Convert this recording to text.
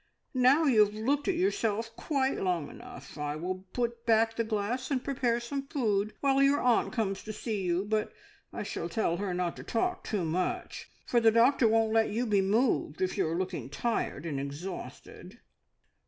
"Now you have looked at yourself quite long enough. I will put back the glass and prepare some food while your aunt comes to see you, but I shall tell her not to talk too much, for the doctor won't let you be moved if you are looking tired and exhausted."